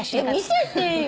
見せてよ！